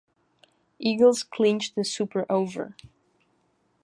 Eagles clinched the Super Over.